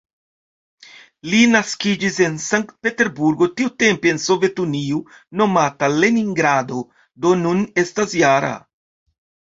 Li naskiĝis en Sankt-Peterburgo, tiutempe en Sovetunio nomata "Leningrado", do nun estas -jara.